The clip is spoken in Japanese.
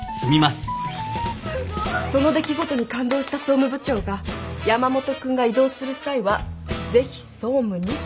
すごいその出来事に感動した総務部長が山本君が異動する際はぜひ総務にって言ってるの。